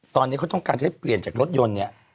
ตอนนี้เขาต้องการจะได้เปลี่ยนจากรถยนต์เนี่ย